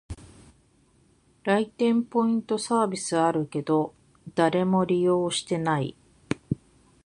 来店ポイントサービスあるけど、誰も利用してない